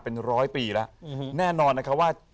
เป็นร้อยปีแล้วแน่นอนนะคะว่า